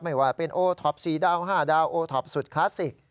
ไม่ว่าเป็นโอท็อป๔ดาว๕ดาวโอท็อปสุดคลาสสิก